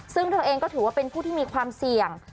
ซึ่งเธอเองก็ถือว่าเป็นผู้ที่มีความเสี่ยง